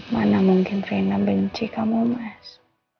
mana mungkin vena benci kamu mas